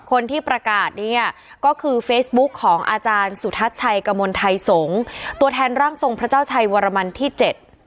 คนที่ประกาศเนี่ยก็คือเฟซบุ๊กของอาจารย์สุทัศน์ชัยกมลไทยสงฆ์ตัวแทนร่างทรงพระเจ้าชัยวรมันที่เจ็ด